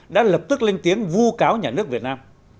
đã lập tức lên tiếng vu cáo nhà nước việt nam